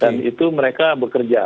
dan itu mereka bekerja